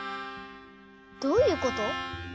どういうこと？